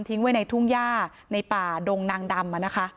ทิ้งไว้ในทุ่งหญ้าในป่าดงนางดำอะนะคะ